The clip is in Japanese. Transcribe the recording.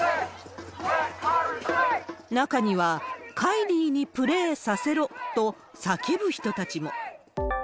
中には、カイリーにプレーさせろと叫ぶ人たちも。